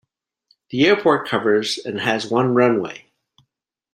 The airport covers and has one runway.